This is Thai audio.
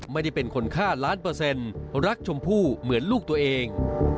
ไม่ได้เป็นคนฆ่าล้านเปอร์เซ็นต์รักชมพู่เหมือนลูกตัวเอง